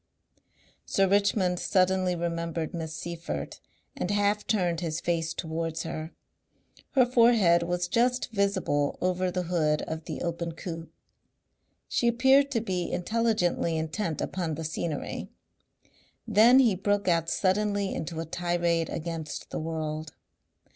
Sir Richmond suddenly remembered Miss Seyffert and half turned his face towards her. Her forehead was just visible over the hood of the open coupe. She appeared to be intelligently intent upon the scenery. Then he broke out suddenly into a tirade against the world.